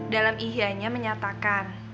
dalam ihya nya menyatakan